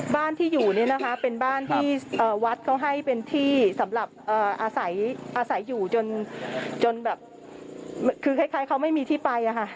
บ้านที่อยู่นี่นะคะเป็นบ้านที่วัดเขาให้เป็นที่สำหรับอาศัยอยู่จนแบบคือคล้ายเขาไม่มีที่ไปอะค่ะ